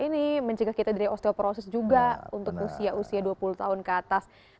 ini mencegah kita dari osteoporosis juga untuk usia usia dua puluh tahun ke atas